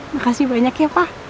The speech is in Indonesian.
makasih banyak ya pak